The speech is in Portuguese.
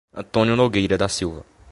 Antônio Nogueira da Silva